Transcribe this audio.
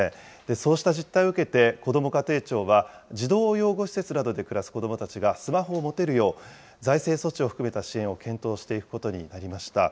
そうした実態を受けて、こども家庭庁は、児童養護施設などで暮らす子どもたちがスマホを持てるよう、財政措置を含めた支援を検討していくことになりました。